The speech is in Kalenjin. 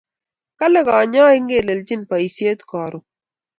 Kale kanyaik ingelelechin poishet karun .